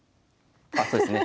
あそうですね。